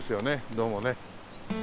どうもね。